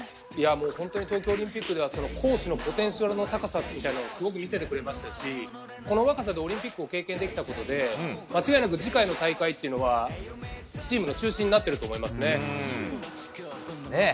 本当に東京オリンピックでは攻守のポテンシャルの高さというのをすごく見せてくれましたしこの若さでオリンピックを経験できたことで間違いなく次回の大会というのはチームの中心になっていると思いますね。